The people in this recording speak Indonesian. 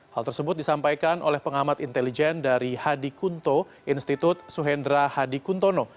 hal tersebut disampaikan oleh pengamat intelijen dari hadi kunto institut suhendra hadi kuntono